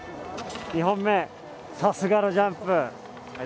２本目、さすがのジャンプ。